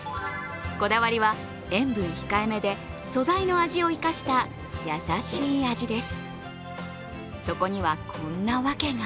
こだわりは塩分控えめで素材の味を生かした優しい味です。